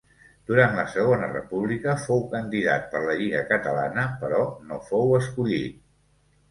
Durant la segona república fou candidat per la Lliga Catalana, però no fou escollit.